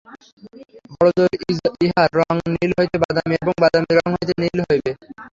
বড়জোর ইহার রঙ নীল হইতে বাদামী এবং বাদামী রঙ হইতে নীল হইবে।